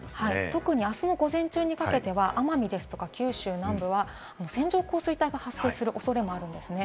特にあすの午前中にかけては奄美ですとか、九州南部は線状降水帯が発生する恐れもあるんですね。